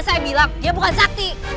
saya bilang dia bukan sakti